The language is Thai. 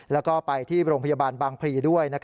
แล้วก็ไปที่โรงพยาบาลบางพลีด้วย